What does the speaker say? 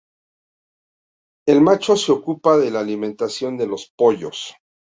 El macho se ocupa de la alimentación de los pollos.